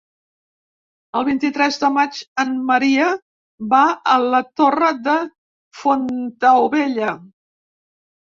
El vint-i-tres de maig en Maria va a la Torre de Fontaubella.